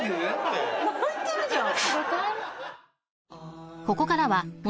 泣いてるじゃん。